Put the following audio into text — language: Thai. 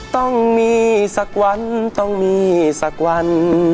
ต้องมีสักวันต้องมีสักวัน